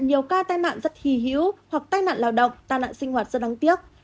nhiều ca tai nạn rất hì hữu hoặc tai nạn lào động tai nạn sinh hoạt rất đáng tiếc